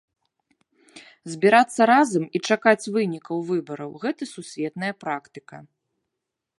Збірацца разам і чакаць вынікаў выбараў гэта сусветная практыка.